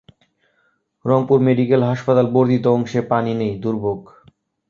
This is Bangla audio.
রংপুর মেডিকেল হাসপাতাল বর্ধিত অংশে পানি নেই, দুর্ভোগ